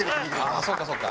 ああそうかそうか。